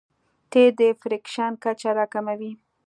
تېل د فریکشن کچه راکموي.